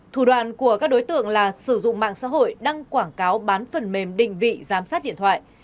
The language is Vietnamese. thủ đoạn của các đối tượng là sử dụng mạng xã hội đăng quảng cáo bán phần mềm định vị giám sát điện thoại